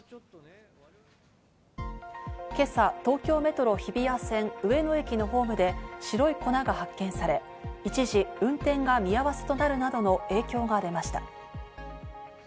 今朝、東京メトロ日比谷線・上野駅のホームで白い粉が発見され、一時、運転が見合わせとなるなどの影響が出ました。